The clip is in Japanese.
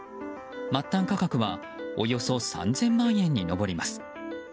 末端価格はおよそ３０００万円に上ります。